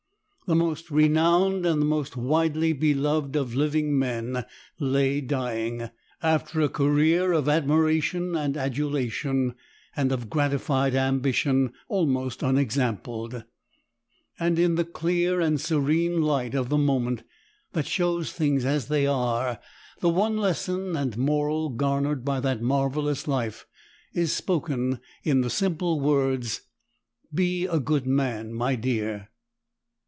The most renowned and the most widely beloved of living men lay dying, after a career of admiration and adulation, and of gratified ambition almost unexampled, and in the clear and serene light of the moment that shows things as they are, the one lesson and moral garnered by that marvellous life is spoken in the simple words, "Be a good man, my dear."